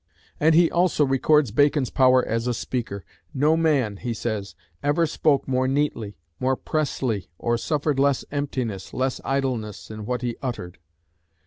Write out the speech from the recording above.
And he also records Bacon's power as a speaker. "No man," he says, "ever spoke more neatly, more pressly, or suffered less emptiness, less idleness, in what he uttered."..."